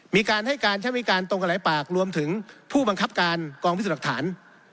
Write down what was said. มีการให้การใช้วิการตรงกันหลายปากรวมถึงผู้บังคับการกองพิสูจน์หลักฐาน